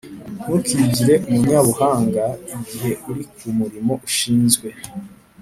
Ntukigire umunyabuhanga igihe uri ku murimo ushinzwe,